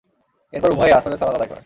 এরপর উভয়ে আসরের সালাত আদায় করেন।